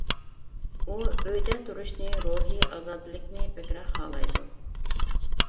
ئۇ ئۆيدە تۇرۇشنى، روھىي ئازادىلىكنى بەكرەك خالايدۇ.